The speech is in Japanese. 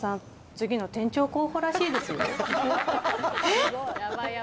次の店長候補らしいですよえっ？